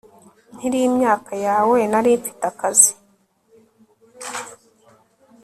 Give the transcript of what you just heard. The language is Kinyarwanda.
Nkiri imyaka yawe nari mfite akazi